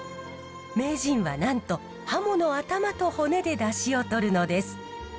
名人はなんとハモの頭と骨でダシをとるのです。